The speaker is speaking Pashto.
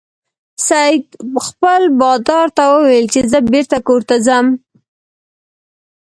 سید خپل بادار ته وویل چې زه بیرته کور ته ځم.